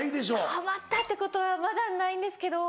はまったってことはまだないんですけど。